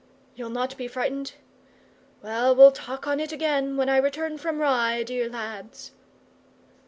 You'll not be frightened? Well, we'll talk on it again, when I return from Rye, dear lads.